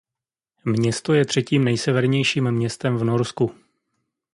Město je třetím nejsevernějším městem v Norsku.